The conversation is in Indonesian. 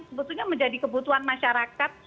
sebetulnya menjadi kebutuhan masyarakat